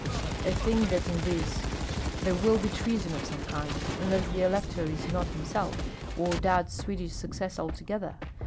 I think that in this there will be treason of some kind, unless the elector is not himself, or doubts Swedish success altogether.